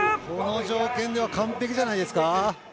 この条件では完璧じゃないですか。